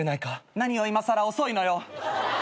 何よいまさら遅いのよ。